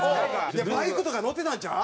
バイクとか乗ってたんちゃう？